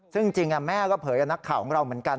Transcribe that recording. ซึ่งจริงแม่ก็เผยกับนักข่าวของเราเหมือนกัน